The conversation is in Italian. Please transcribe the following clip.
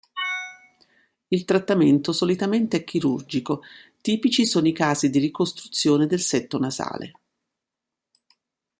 Il trattamento solitamente è chirurgico, tipici sono i casi di ricostruzione del setto nasale.